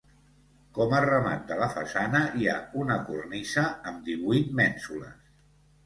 Com a remat de la façana hi ha una cornisa amb divuit mènsules.